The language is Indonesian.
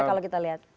kalau kita lihat